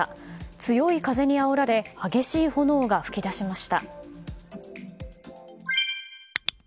強い風にあおられ激しい炎が噴き出しました。